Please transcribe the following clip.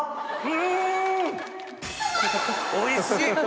おいしい！